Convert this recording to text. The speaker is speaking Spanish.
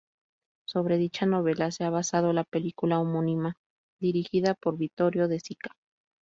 Sobre dicha novela se ha basado la película homónima dirigida por Vittorio De Sica.